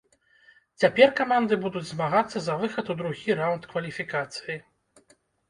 Цяпер каманды будуць змагацца за выхад у другі раунд кваліфікацыі.